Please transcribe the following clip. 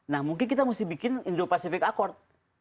nah mungkin kita mesti bikin indo pacific accord